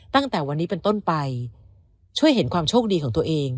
ตั้งแต่วันนี้เป็นต้นไปช่วยเห็นความโชคดีของตัวเอง